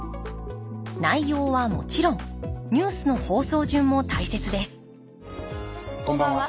内容はもちろんニュースの放送順も大切ですこんばんは。